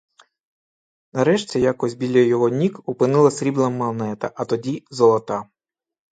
Нарешті якось біля його ніг опинилася срібна монета, а тоді — золота.